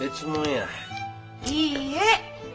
いいえ。